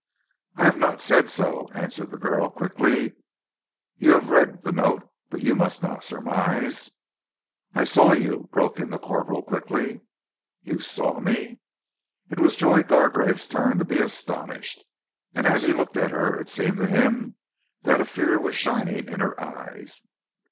"I have not said so," answered the girl quickly. "You have read that note, but you must not surmise " "I saw you," broke in the corporal quickly. "You saw me?" It was Joy Gargrave's turn to be astonished, and as he looked at her it seemed to him that fear was shining in her eyes.